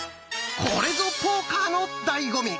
これぞポーカーのだいご味！